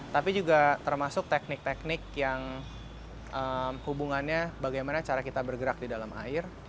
tapi juga termasuk teknik teknik yang hubungannya bagaimana cara kita bergerak di dalam air